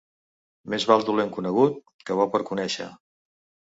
Més val dolent conegut, que bo per conèixer.